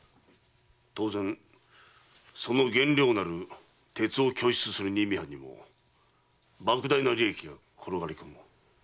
当然その原料となる鉄を供出する新見藩にもばく大な利益が転がり込む。